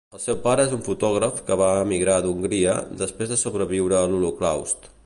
El seu pare és un fotògraf que va emigrar d'Hongria, després de sobreviure a l'Holocaust.